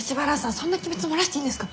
そんな機密漏らしていいんですか？